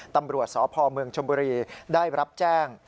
ตำรวจสพเมืองชมบุรีได้รับแจ้ง